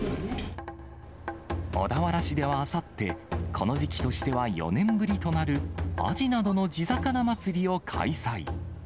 小田原市ではあさって、この時期としては４年ぶりとなる、アジなどの地魚まつりを開催。